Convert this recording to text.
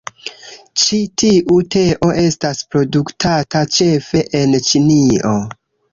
Ĉi tiu teo estas produktata ĉefe en Ĉinio.